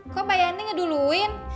kok pak yanti ngeduluin